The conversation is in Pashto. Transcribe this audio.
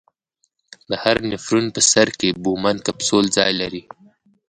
د هر نفرون په سر کې بومن کپسول ځای لري.